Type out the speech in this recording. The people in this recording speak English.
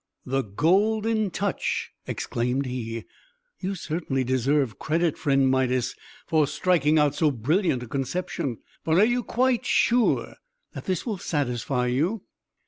"The Golden Touch!" exclaimed he. "You certainly deserve credit, friend Midas, for striking out so brilliant a conception. But are you quite sure that this will satisfy you?"